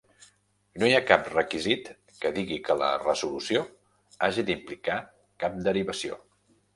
No hi ha cap requisit que digui que la resolució hagi d'implicar cap derivació.